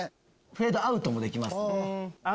フェードアウトもできます。